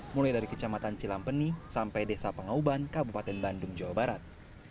mulai dari kecamatan cilampeni sampai desa pangauban kabupaten bandung jawa barat